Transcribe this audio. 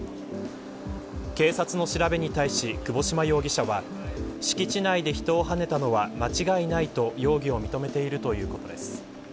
警察の調べに対し窪島容疑者は敷地内で人をはねたのは間違いないと容疑を認めているということです。